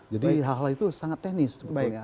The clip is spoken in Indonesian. jadi hal hal itu sangat teknis sebetulnya